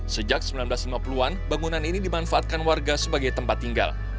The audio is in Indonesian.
sejak seribu sembilan ratus lima puluh an bangunan ini dimanfaatkan warga sebagai tempat tinggal